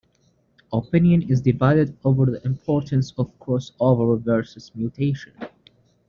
Opinion is divided over the importance of crossover versus mutation.